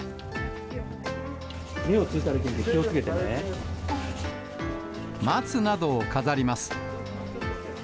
目をついたらいけんから、松などを飾ります。